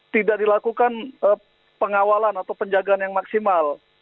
tidak dilakukan pengawalan atau penjagaan yang maksimal